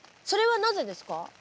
それはなぜですか？